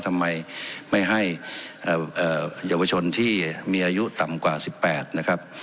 ทำไมไม่ให้เอ่อเอ่อเยาวชนที่มีอายุต่ำกว่าสิบแปดนะครับ